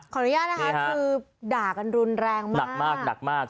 ข้ออนุญาตนะคะคือด่ากันรุนแรงมาก